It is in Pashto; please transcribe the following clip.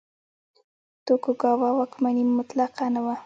توکوګاوا واکمني مطلقه نه وه.